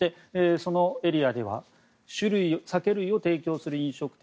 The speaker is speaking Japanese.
そのエリアでは酒類を提供する飲食店